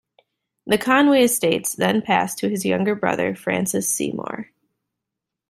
The Conway estates then passed to his younger brother Francis Seymour.